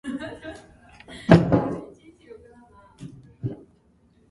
He was formerly chair of the Commons standing committee on Citizenship and Immigration.